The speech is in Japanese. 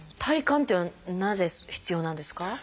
体幹っていうのはなぜ必要なんですか？